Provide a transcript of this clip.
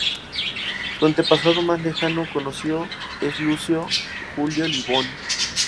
Su antepasado más lejano conocido es Lucio Julio Libón.